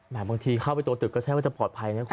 บางทีเข้าไปตัวตึกก็ใช่ว่าจะปลอดภัยนะคุณ